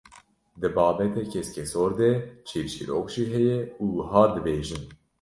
Di babetê keskesor de çîrçîrok jî heye û wiha dibêjin.